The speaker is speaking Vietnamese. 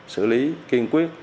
xử lý kiên quyết